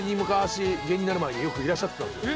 昔芸人になる前によくいらっしゃってたんですよ。